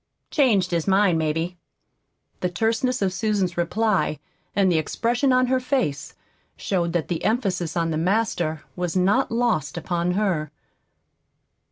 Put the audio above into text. "Changed his mind, maybe." The terseness of Susan's reply and the expression on her face showed that the emphasis on the "Master" was not lost upon her.